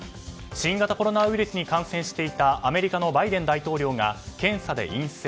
新型コロナウイルスに感染していたアメリカのバイデン大統領が検査で陰性。